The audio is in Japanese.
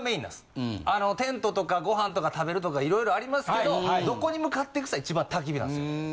あのテントとかご飯とか食べるとか色々ありますけどどこに向かっていくっつったら一番焚き火なんですよ。